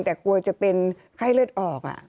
แต่กลัวจะเป็นไข้เลือดออก